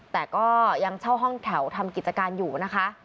แต่ก็ยังเช่าห้องแถวทำกิจการอยู่นะคะ